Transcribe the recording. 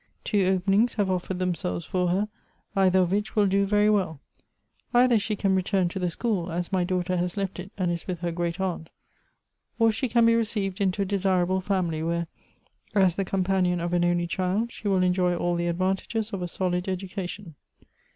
Two openings have offered them selves for her, either of which will do very well. Either she can return to the school, as my daughter has left it and is with her great aunt ; or she can be received into a desirable family, where, as the companion of an only child, she will enjoy all the advantages of a solid education."